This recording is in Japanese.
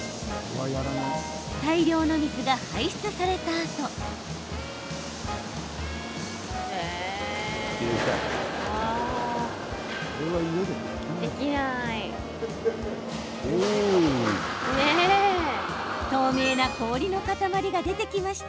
大量の水が排出されたあと透明な氷の塊が出てきました。